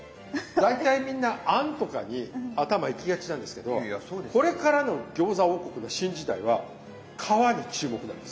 大体みんな餡とかに頭いきがちなんですけどこれからの餃子王国の新時代は皮に注目なんです。